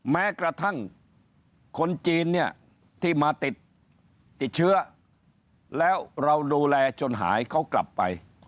แม้กระทั่งคนจีนเนี่ยที่มาติดติดเชื้อแล้วเราดูแลจนหายเขากลับไป